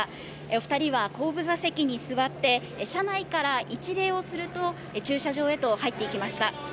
２人は後部座席に座って、車内から一礼をすると、駐車場へと入っていきました。